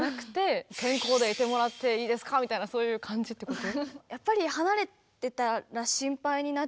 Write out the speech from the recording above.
みたいなそういう感じってこと？